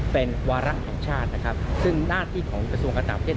เป็นวาระของชาตินะครับซึ่งหน้าที่ของกระทรวงการต่างประเทศ